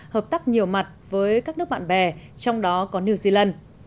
hợp tác nhiều mặt với các nước bạn bè trong đó có new zealand